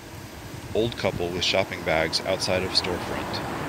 Old couple with shopping bags outside of storefront.